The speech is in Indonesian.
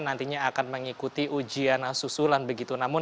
nantinya akan mengikuti ujian susulan begitu